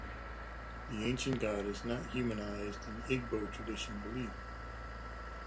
The ancient God is not humanized in Igbo tradition belief.